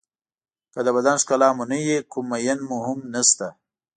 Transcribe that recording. که د بدن ښکلا مو نه وي کوم مېن مو هم نشته.